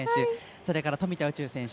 それから富田宇宙選手